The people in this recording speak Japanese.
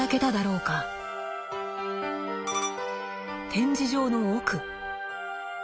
展示場の奥。